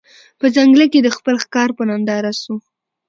په ځنګله کي د خپل ښکار په ننداره سو